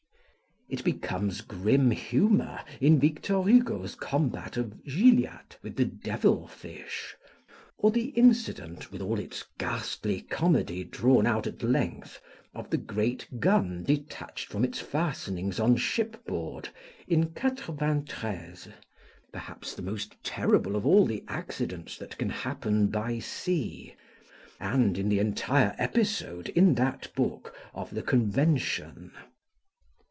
It becomes grim humour in Victor Hugo's combat of Gilliatt with the devil fish, or the incident, with all its ghastly comedy drawn out at length, of the great gun detached from its fastenings on shipboard, in Quatre Vingt Trieze (perhaps the most terrible of all the accidents that can happen by sea) and in the entire episode, in that book, of the Convention.